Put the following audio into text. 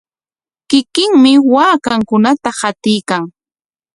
Kikinmi waakankunata qatiykan.